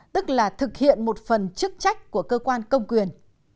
tức là thực hiện một phần chức trách của cơ quan công quyền